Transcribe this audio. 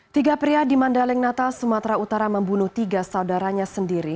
tiga pria di mandaling natal sumatera utara membunuh tiga saudaranya sendiri